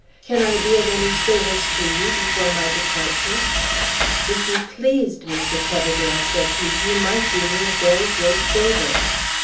Can I be of any service to you before my departure?" "If you pleased, Mr. Coverdale," said he, "you might do me a very great favor."